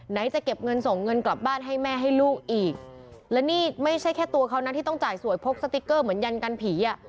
จะเก็บเงินส่งเงินกลับบ้านให้แม่ให้ลูกอีกและนี่ไม่ใช่แค่ตัวเขานะที่ต้องจ่ายสวยพกสติ๊กเกอร์เหมือนยันกันผีอ่ะ